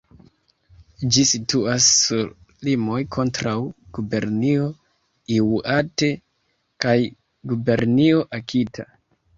Ĝi situas sur limoj kontraŭ Gubernio Iŭate kaj Gubernio Akita.